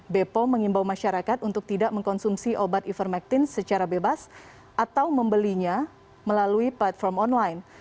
bepom mengimbau masyarakat untuk tidak mengkonsumsi obat ivermectin secara bebas atau membelinya melalui platform online